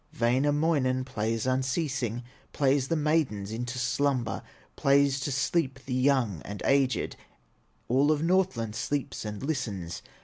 Wainamoinen plays unceasing, Plays the maidens into slumber, Plays to sleep the young and aged, All of Northland sleeps and listens.